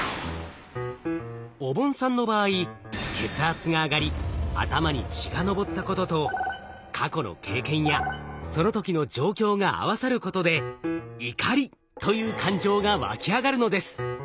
おぼんさんの場合血圧が上がり頭に血がのぼったことと過去の経験やその時の状況が合わさることで「怒り」という感情がわき上がるのです。